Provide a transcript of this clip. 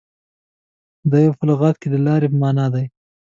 • دایو په لغت کې د لارې په معنیٰ دی.